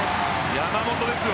山本ですよ。